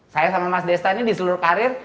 saya sama mas destani di seluruh karir